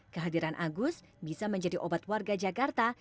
kehadiran agus bisa menjadi obat warga jakarta